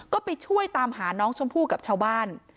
ก็ไปช่วยตามหาน้องชมพู่กับชาวบ้าน